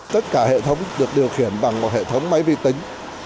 tất cả hệ thống được điều khiển bằng một hệ thống máy vi tính